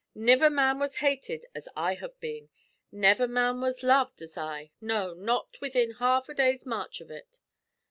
Niver man was hated as I have been. Niver man was loved as I no, not within half a day's march av ut.